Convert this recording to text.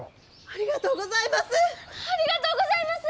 ありがとうございます！